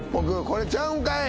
これちゃうんかい！？